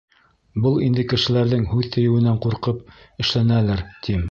Был инде кешеләрҙең һүҙ тейеүенән ҡурҡып эшләнәлер, тим.